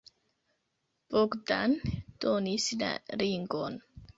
Bogdan donis la ringon.